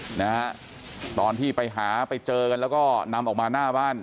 นะฮะตอนที่ไปหาไปเจอกันแล้วก็นำออกมาหน้าบ้าน